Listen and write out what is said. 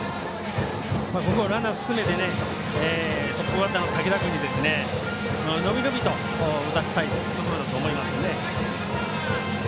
ここはランナー進めてトップバッターの武田君に伸び伸びと打たせたいところだと思います。